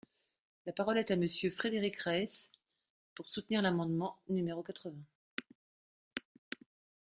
La parole est à Monsieur Frédéric Reiss, pour soutenir l’amendement numéro quatre-vingts.